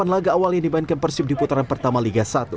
delapan laga awal yang dimainkan persib di putaran pertama liga satu